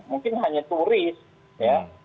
mungkin hanya turis ya